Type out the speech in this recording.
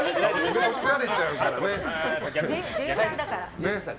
疲れちゃうからね。